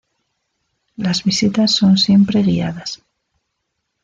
Las visitas son siempre guiadas.